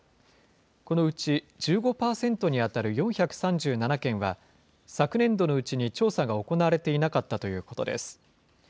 このうち１５％に当たる４３７件は、昨年度のうちに調査が行われていなかったということです。